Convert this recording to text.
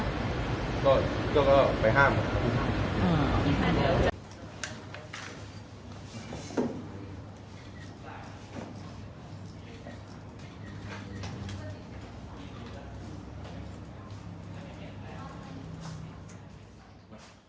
ก็ก็ก็ไปห้ามอืม